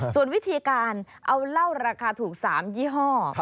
ส่วนวิธีการเอาเหล้าราคาถูก๓ยี่ห้อ